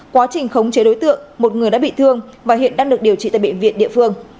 quá trình khống chế đối tượng một người đã bị thương và hiện đang được điều trị tại bệnh viện địa phương